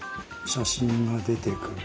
写真が出てくる。